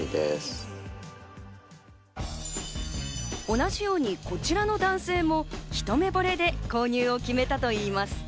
同じようにこちらの男性も一目ぼれで購入を決めたといいます。